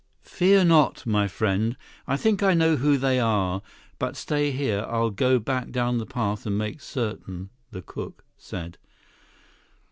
"Fear not, my friend. I think I know who they are. But stay here, I'll go back down the path and make certain," the "cook" said.